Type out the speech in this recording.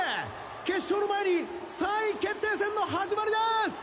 決勝の前に３位決定戦の始まりです！